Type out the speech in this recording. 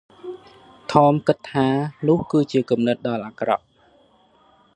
ថម គិតថា នោះគឺជាគំនិតដ៏អាក្រក់ ។